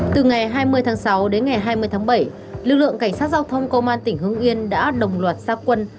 từ ngày hai mươi tháng sáu đến ngày hai mươi tháng bảy lực lượng cảnh sát giao thông công an tỉnh hưng yên đã đồng loạt gia quân